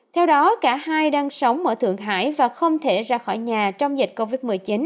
theo đó cả hai đang sống ở thượng hải và không thể ra khỏi nhà trong dịch covid một mươi chín